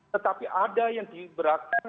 tetapi ada yang diberakan